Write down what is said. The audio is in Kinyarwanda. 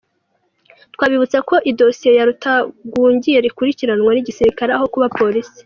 Twabibutsa ko idosiye ya Rutagungira ikurikiranwa n’igisirikare aho kuba polisi.